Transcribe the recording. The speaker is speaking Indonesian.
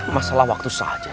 masalah waktu saja